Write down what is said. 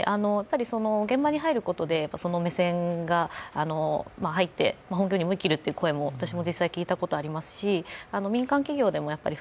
現場に入ることでその目線が入って本業にも生きるという声も私も実際に聞いたことがあります